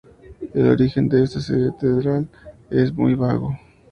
El origen de esta catedral es muy vago.